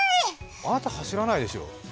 あなた、走らないでしょ？